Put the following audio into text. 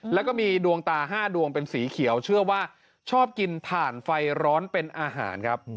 แล้วก็มีดวงตา๕ดวงเป็นสีเขียวเชื่อว่าชอบกินถ่านไฟร้อนเป็นอาหารครับ